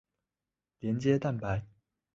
连接蛋白。